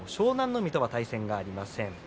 海とは対戦がありません。